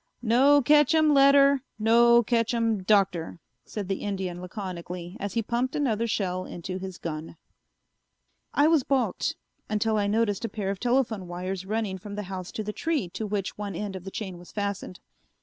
"No ketchum letter, no ketchum Doctor," said the Indian laconically as he pumped another shell into his gun. I was balked, until I noticed a pair of telephone wires running from the house to the tree to which one end of the chain was fastened.